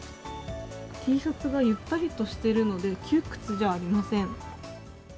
Ｔシャツがゆったりとしているので、窮屈じゃありません。